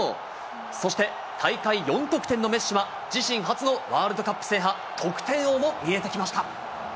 そして、大会４得点のメッシは、自身初のワールドカップ制覇、得点王も見えてきました。